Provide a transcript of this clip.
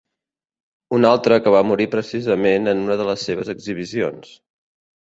Una altra que va morir precisament en una de les seves exhibicions.